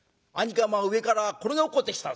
上から転げ落っこってきたぞ。